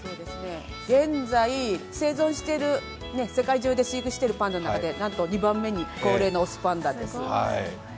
現在、生存している、世界中で飼育してるパンダの中でなんと２番目に高齢の雄パンダです